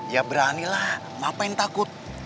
ya beranilah ngapain takut